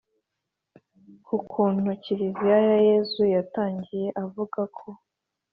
ku kuntu kiliziya ya yezu yatangiye, avuga ku